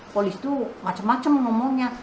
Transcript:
polisi itu macem macem ngomongnya